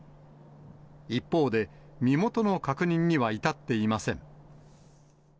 一方で、身元の確認には至っていません。